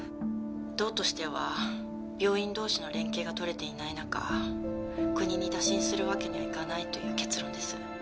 道としては病院同士の連携がとれていない中国に打診するわけにはいかないという結論です。